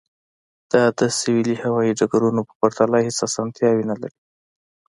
دا د سویلي هوایی ډګرونو په پرتله هیڅ اسانتیاوې نلري